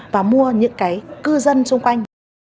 và mua những cái cư dân xung quanh